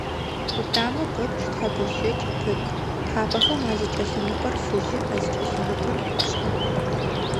Къутамэ пэпчъ тхьэпэ щэкӀ пыт, тхьапэхэм азыкӀэлъэныкъор фыжьы, азыкӀэлъэныкъор шӀуцӀэ.